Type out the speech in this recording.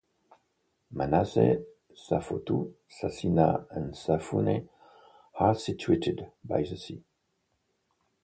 Manase, Safotu, Sasina and Safune are situated by the sea.